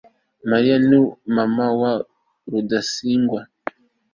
mariya ni mama wa rudasingwa